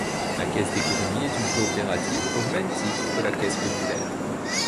La Caisse d'économie est une coopérative au même titre que la Caisse populaire.